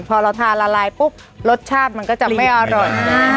พอเราทานละลายปุ๊บรสชาติมันก็จะไม่อร่อย